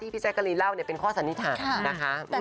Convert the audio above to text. พี่จ๊ะกรี๊นเล่าเป็นข้อสันนิทานะคะ